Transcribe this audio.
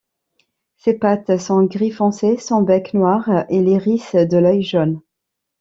Ses pattes sont gris foncé, son bec noir et l'iris de l’œil jaune.